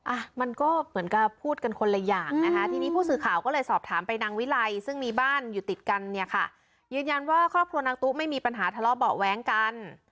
อ่ะมันก็เหมือนกับพูดกันคนละอย่างนะคะทีนี้ผู้สื่อข่าวก็เลยสอบถามไปนางวิไลซึ่งมีบ้านอยู่ติดกันเนี่ยค่ะยืนยันว่าครอบครัวนางตุ๊ไม่มีปัญหาทะเลาะเบาะแว้งกัน